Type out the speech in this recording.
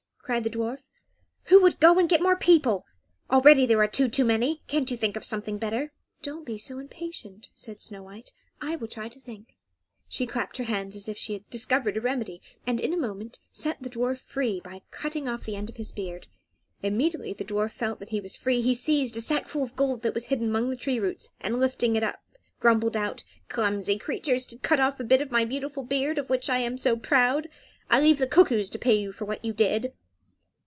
cried the dwarf. "Who would go and get more people? Already there are two too many. Can't you think of something better?" "Don't be so impatient," said Snow White. "I will try to think." She clapped her hands as if she had discovered a remedy, took out her scissors, and in a moment set the dwarf free by cutting off the end of his beard. Immediately the dwarf felt that he was free he seized a sackful of gold that was hidden among the tree roots, and, lifting it up, grumbled out, "Clumsy creatures, to cut off a bit of my beautiful beard, of which I am so proud! I leave the cuckoos to pay you for what you did."